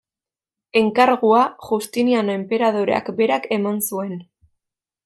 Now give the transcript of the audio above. Enkargua, Justiniano enperadoreak berak eman zuen.